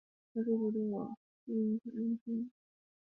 翁西厄人口变化图示